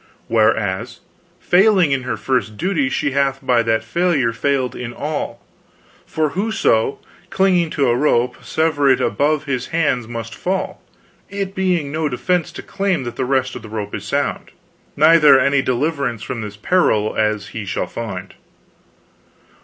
Whereas, failing in her first duty, she hath by that failure failed in all; for whoso, clinging to a rope, severeth it above his hands, must fall; it being no defense to claim that the rest of the rope is sound, neither any deliverance from his peril, as he shall find.